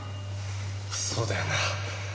そうだよな。